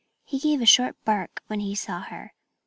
He gave a short bark when he saw her.